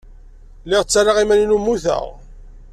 Lliɣ ttarraɣ iman-inu mmuteɣ.